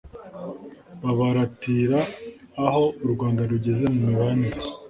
babaratira aho u rwanda rugeze mu mibanire